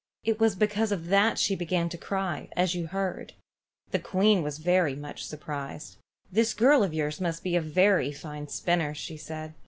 It was because of that she began to cry, as you heard." The Queen was very much surprised. "This girl of yours must be a very fine spinner," she said.